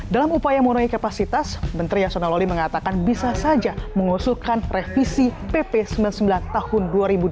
dalam upaya menuruni kapasitas menteri yasona loli mengatakan bisa saja mengusulkan revisi pp sembilan puluh sembilan tahun dua ribu dua puluh